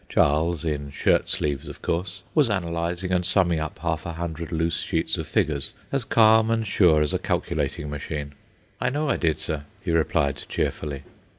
Charles, in shirt sleeves of course, was analyzing and summing up half a hundred loose sheets of figures, as calm and sure as a calculating machine. "I know I did, sir," he replied, cheerfully.